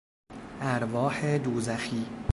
ارواح دوزخی